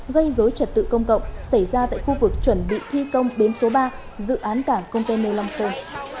gây dối trật tự công cộng xảy ra tại khu vực chuẩn bị thi công bến số ba dự án cảng container long sơn